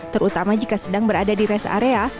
terutama jika sedang berada di rest area